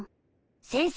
先生。